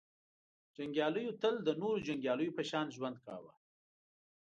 • جنګیالیو تل د نورو جنګیالیو په شان ژوند کاوه.